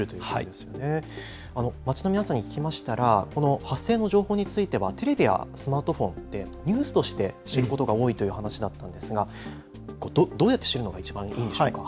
街の皆さんに聞きましたら発生の情報につきましてはテレビやスマートフォンでニュースとして知ることが多いという話だったのですがどうやって知るのがいちばんいいんでしょうか。